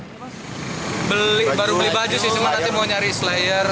baru beli baju sih cuma nanti mau nyari slayer